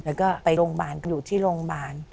แล้วก็ไปโรงพยาบาลอยู่ที่โรงพยาบาล